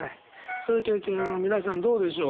そういう経験は皆さんどうでしょう？